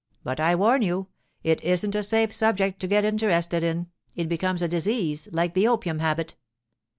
But I warn you, it isn't a safe subject to get interested in; it becomes a disease, like the opium habit.